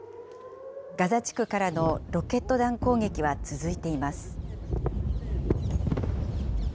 ガザ地区からのロケット弾攻撃は続いています。